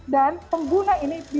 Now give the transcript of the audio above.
dan pengguna ini di